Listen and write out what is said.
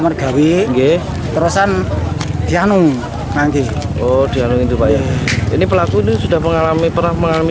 mergawi terus andianung nanti oh dihitung itu pak ya ini pelaku ini sudah mengalami perang mengalami